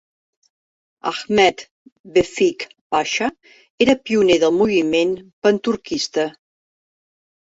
Ahmed Vefik Pasha era pioner del moviment panturquista.